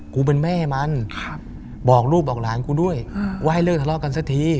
กูเป็นแม่มันบอกลูกบอกหลานกูด้วยว่าให้เลิกทะเลาะกันสักที